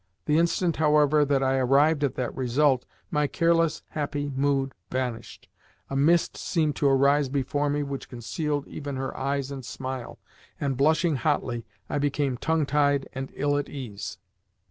The instant, however, that I arrived at that result my careless, happy mood vanished, a mist seemed to arise before me which concealed even her eyes and smile, and, blushing hotly, I became tongue tied and ill at ease.